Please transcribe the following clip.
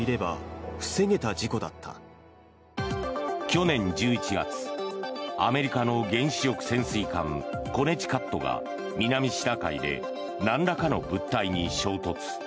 去年１１月アメリカの原子力潜水艦「コネティカット」が南シナ海でなんらかの物体に衝突。